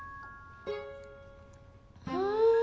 うん。